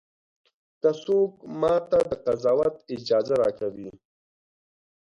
که څوک ماته د قضاوت اجازه راکوي.